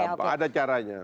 itu gampang ada caranya